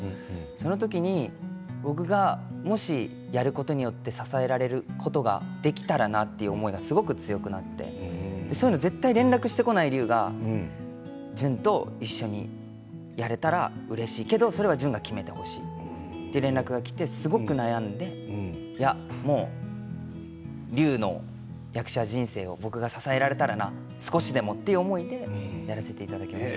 その時に僕がもしやることによって支えられることができたらなという思いがすごく強くなってそういうのを絶対連絡してこない隆が淳と一緒にやれたらうれしいけどそれは淳が決めてほしいと連絡がきて、すごく悩んでいや、もう隆の役者人生を僕が支えられたらな少しでもという思いでやらせていただきました。